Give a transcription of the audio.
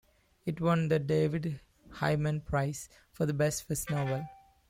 It won the David Higham Prize for best first novel.